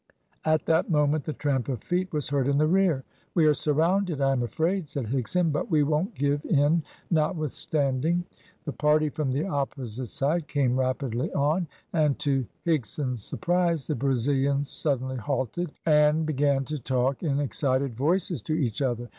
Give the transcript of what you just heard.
At that moment the tramp of feet was heard in the rear. "We are surrounded, I am afraid," said Higson, "but we won't give in notwithstanding." The party from the opposite side came rapidly on, and to Higson's surprise the Brazilians suddenly halted, amid began to talk in excited voices to each other.